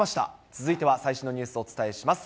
続いては最新のニュースをお伝えします。